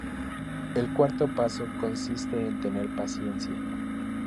El cuarto paso consiste en tener paciencia.